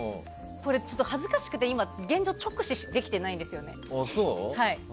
恥ずかしくて現状直視できてないんですよね。